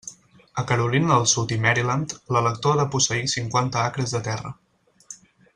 A Carolina del Sud i Maryland, l'elector ha de posseir cinquanta acres de terra.